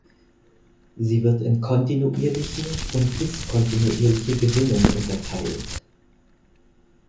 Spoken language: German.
Sie wird in kontinuierliche und diskontinuierliche Gewinnung unterteilt.